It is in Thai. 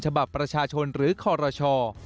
ฉบับประชาชนหรือคอรช